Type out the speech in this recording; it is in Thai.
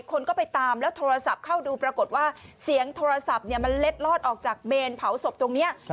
คนก็ไปตามแล้วโทรศัพท์เข้าดูปรากฏว่าเสียงโทรศัพท์มันเล็ดลอดออกจากเมนเผาศพตรงนี้